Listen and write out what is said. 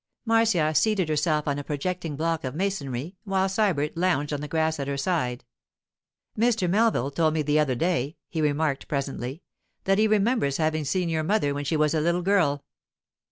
Marcia seated herself on a projecting block of masonry, while Sybert lounged on the grass at her side. 'Mr. Melville told me the other day,' he remarked presently, 'that he remembers having seen your mother when she was a little girl.